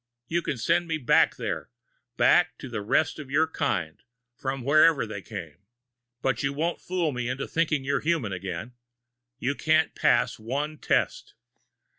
You can send me back there back to the rest of your kind, from wherever they came. But you won't fool me into thinking you're human again. You can't pass one test!"